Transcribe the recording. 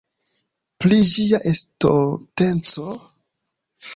Pri Ĝia estonteco?